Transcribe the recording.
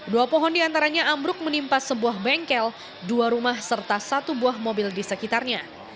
dua pohon diantaranya ambruk menimpa sebuah bengkel dua rumah serta satu buah mobil di sekitarnya